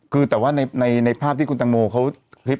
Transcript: คือแต่ว่าในภาพที่คุณตังโมครับ